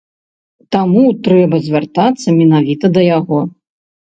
Таму трэба звяртацца менавіта да яго.